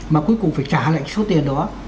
mà cuối cùng phải trả lại số tiền đó